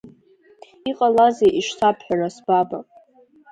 Иҟалазеи, ишсабҳәара, сбаба?